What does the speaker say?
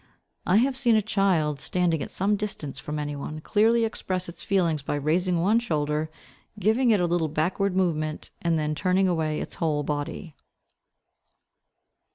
I have seen a child, standing at some distance from any one, clearly express its feelings by raising one shoulder, giving it a little backward movement, and then turning away its whole body.